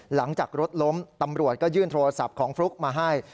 หลังจากรถล้มตำรวจก็ยื่นโทรศัพท์ของฟลุ๊กมาให้